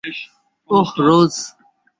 ওহ, রোজ।